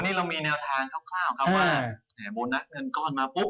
ก่อนนี้เรามีแนวทางคร่าวว่าโบนัสเงินก้อนมาปุ๊บ